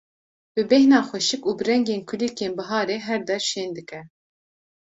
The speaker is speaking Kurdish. bi bêhna xweşik û bi rengên kulîlkên biharê her der şên dike.